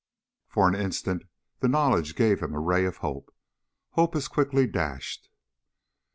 For the instant, the knowledge gave him a ray of hope hope as quickly dashed.